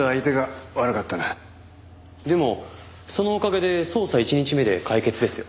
でもそのおかげで捜査１日目で解決ですよ。